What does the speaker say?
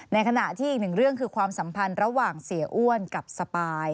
ในขณะที่อีกหนึ่งเรื่องคือความสัมพันธ์ระหว่างเสียอ้วนกับสปาย